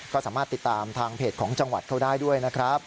ก็สามารถติดตามทางเพจของจังหวัดเขาได้ด้วยนะครับ